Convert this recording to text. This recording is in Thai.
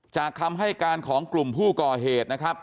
คำให้การของกลุ่มผู้ก่อเหตุนะครับ